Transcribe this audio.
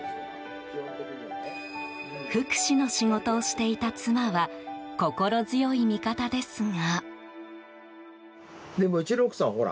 福祉の仕事をしていた妻は心強い味方ですが。